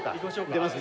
出ます。